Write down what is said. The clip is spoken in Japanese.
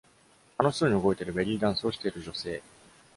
楽しそうに動いているベリーダンスをしている女性。